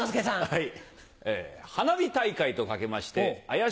はい。